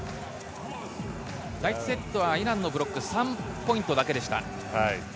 第１セットはイランのブロック、３ポイントだけでした。